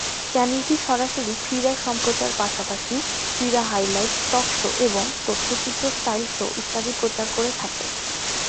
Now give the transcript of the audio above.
চ্যানেলটি সরাসরি ক্রীড়া সম্প্রচার পাশাপাশি, ক্রীড়া হাইলাইট, টক শো এবং তথ্যচিত্র স্টাইল শো ইত্যাদি প্রচার করে থাকে।